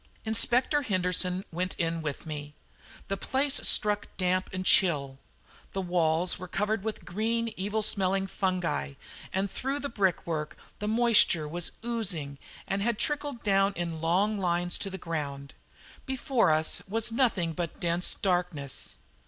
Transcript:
Inspector Henderson went in with me. The place struck damp and chill. The walls were covered with green, evil smelling fungi, and through the brickwork the moisture was oozing and had trickled down in long lines to the ground. Before us was nothing but dense darkness.